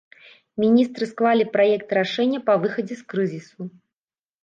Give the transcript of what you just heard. Міністры склалі праект рашэння па выхадзе з крызісу.